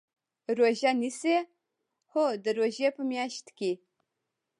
روژه نیسئ؟ هو، د روژی په میاشت کې